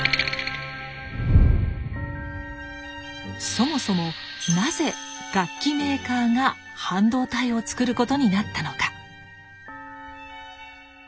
そもそもなぜ楽器メーカーが半導体を作ることになったのか。